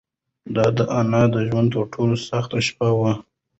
دا د انا د ژوند تر ټولو سخته شپه وه.